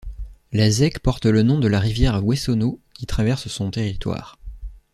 La Zec porte le nom de la rivière Wessonneau qui traverse son territoire.